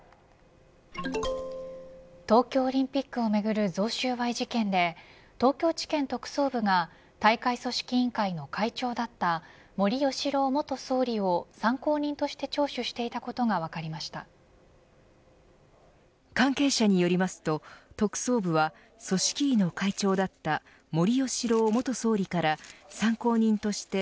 東京オリンピックをめぐる贈収賄事件で東京地検特捜部が大会組織委員会の会長だった森喜朗元総理を参考人として聴取していたことが関係者によりますと特捜部は、組織委の会長だった森喜朗元総理から参考人として